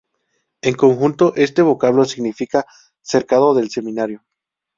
En conjunto, este vocablo significa "Cercado del Seminario".